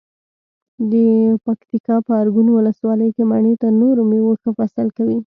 د پکتیکا په ارګون ولسوالۍ کې مڼې تر نورو مېوو ښه فصل کوي.